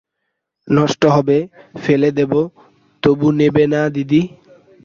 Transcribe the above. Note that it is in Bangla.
নষ্ট হবে, ফেলে দেব, তবু নেবে না দিদি?